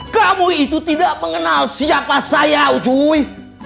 kamu itu tidak mengenal siapa saya ujui